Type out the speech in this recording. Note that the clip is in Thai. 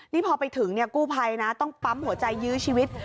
นี่พอไปถึงกู้ภัยนะต้องปั๊มหัวใจยื้อชีวิต